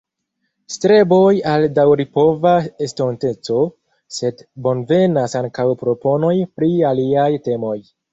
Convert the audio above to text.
Streboj al daŭripova estonteco, sed bonvenas ankaŭ proponoj pri aliaj temoj.